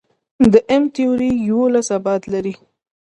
د M-تیوري یوولس ابعاد لري.